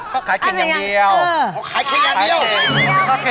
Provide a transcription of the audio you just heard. เป็นเข่งอย่างนี้ครับหิวมาก